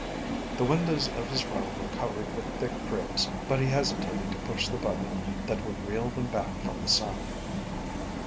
The windows of his room were covered with thick drapes, but he hesitated to push the button that would reel them back from the sun.